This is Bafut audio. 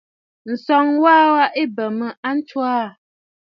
Ǹsɔŋ wa wa ɨ bè mə a ntswaà.